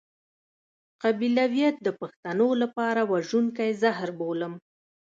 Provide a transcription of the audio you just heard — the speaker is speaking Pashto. قبيلويت د پښتنو لپاره وژونکی زهر بولم.